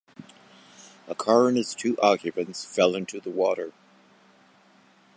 A car and its two occupants fell into the water.